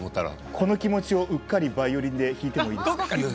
この気持ちをうっかりバイオリンで弾いていいですか。